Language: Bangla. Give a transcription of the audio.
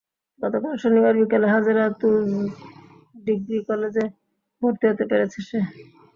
গতকাল শনিবার বিকেলে হাজেরা তুজ ডিগ্রি কলেজে ভর্তি হতে পেরেছে সে।